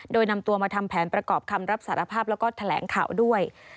โดยนำตัวมาทำแผนประกอบคำรับสารภาพแล้วก็แถลงข่าวด้วย